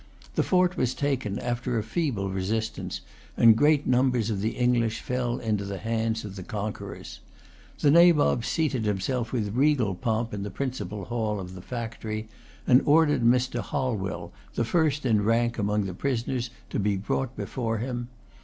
The fort was taken after a feeble resistance; and great numbers of the English fell into the hands of the conquerors. The Nabob seated himself with regal pomp in the principal hall of the factory, and ordered Mr. Holwell, the first in rank among the prisoners, to be brought before him.